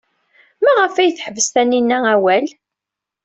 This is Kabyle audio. Maɣef ay teḥbes Taninna awal?